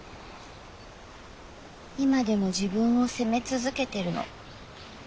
今でも自分を責め続けてるの。